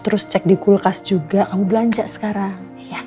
terus cek di kulkas juga kamu belanja sekarang